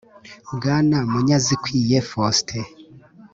Bwana munyazikwiye faustin